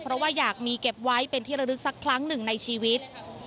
เพราะว่าอยากมีเก็บไว้เป็นที่ระลึกสักครั้งหนึ่งในชีวิต